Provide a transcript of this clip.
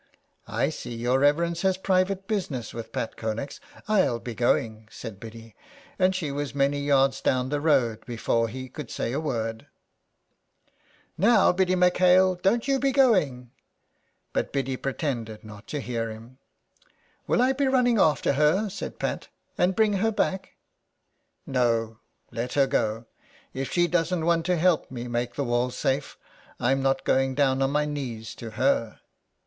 I see your reverence has private business with Pat Connex. I'll be going," said Biddy, and she was many yards down the road before he could say a word. 87 SOME PARISHIONERS. ^'Now, Biddy M'Hale, don't you be going." But Biddy pretended not to hear him. '' Will I be running after her/' said Pat, *' and bring ing her back ?"*' No, let her go. If she doesn't want to help to make the walls safe I'm not going to go on my knees to her.